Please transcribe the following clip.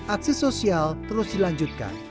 aksi sosial terus dilanjutkan